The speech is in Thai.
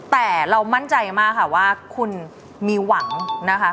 แต่เรามั่นใจมากค่ะว่าคุณมีหวังนะคะ